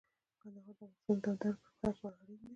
کندهار د افغانستان د دوامداره پرمختګ لپاره اړین دي.